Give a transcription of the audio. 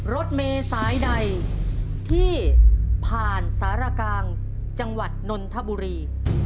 รถเมย์สายใดที่ผ่านสารกลางจังหวัดนนทบุรี